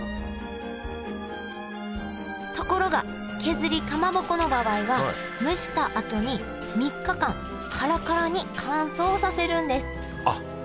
ところが削りかまぼこの場合は蒸したあとに３日間カラカラに乾燥させるんですあっ！